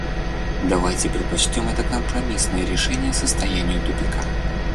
Давайте предпочтем это компромиссное решение состоянию тупика.